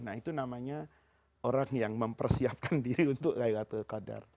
nah itu namanya orang yang mempersiapkan diri untuk laylatul qadar